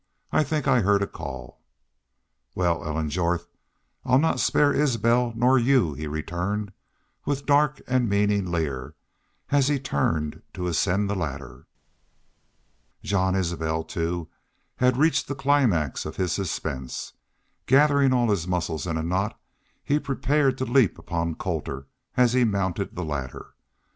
I think I heard a call." "Wal, Ellen Jorth, I'll not spare Isbel nor y'u," he returned, with dark and meaning leer, as he turned to ascend the ladder. Jean Isbel, too, had reached the climax of his suspense. Gathering all his muscles in a knot he prepared to leap upon Colter as he mounted the ladder.